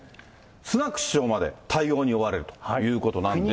スナク首相まで対応に追われるということなんですが。